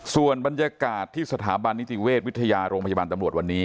ส่วนบรรยากาศที่สถาบันนิติเวชวิทยาโรงพยาบาลตำรวจวันนี้